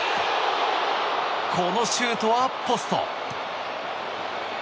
このシュートはポスト。